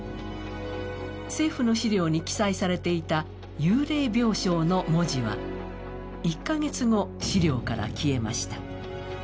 政府の資料に記載されていた幽霊病床の文字は１カ月後、資料から消えました。